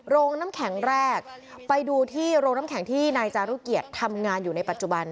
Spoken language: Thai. โรงน้ำแข็งแรกไปดูที่โรงน้ำแข็งที่นายจารุเกียรติทำงานอยู่ในปัจจุบัน